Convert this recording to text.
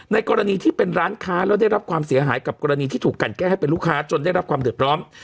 กรณีที่เป็นร้านค้าแล้วได้รับความเสียหายกับกรณีที่ถูกกันแก้ให้เป็นลูกค้าจนได้รับความเดือดร้อน